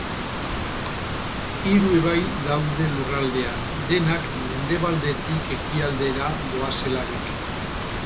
Hiru ibai daude lurraldean, denak mendebaldetik ekialdera doazelarik.